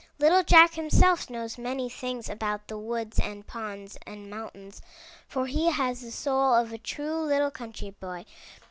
Little Jack himself knows many things about the woods and ponds and mountains, for he has the soul of a true little country boy.